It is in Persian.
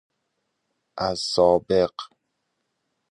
از سابق